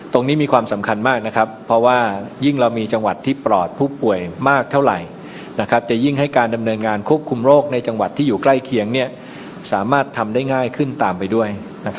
มีความสำคัญมากนะครับเพราะว่ายิ่งเรามีจังหวัดที่ปลอดผู้ป่วยมากเท่าไหร่จะยิ่งให้การดำเนินงานควบคุมโรคในจังหวัดที่อยู่ใกล้เคียงสามารถทำได้ง่ายขึ้นตามไปด้วย